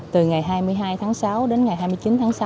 từ ngày hai mươi hai tháng sáu đến ngày hai mươi chín tháng sáu